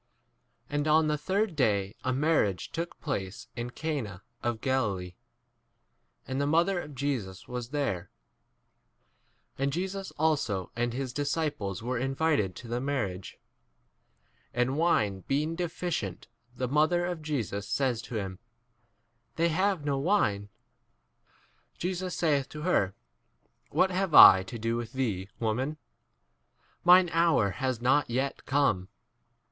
And on the third day a marriage took place in Cana of Galilee, and the mother of Jesus was there. 2 And Jesus also and his disciples 3 were invited to the marriage. And wine being deficient, the mother of Jesus says to him, They have no 4 wine. Jesus saith to her, What have I to do with thee, woman? 5 mine hour has not yet come.